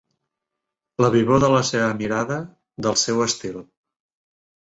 La vivor de la seva mirada, del seu estil.